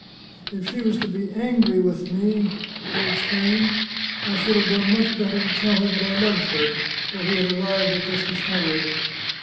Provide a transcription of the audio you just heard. " If she was to be angry with me," he exclaimed, " I should have done much better to tell her that I loved her," for he had arrived at this discovery.